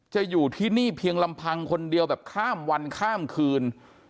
อยู่ที่นี่เพียงลำพังคนเดียวแบบข้ามวันข้ามคืน